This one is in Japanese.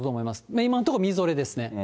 今のところ、みぞれですね。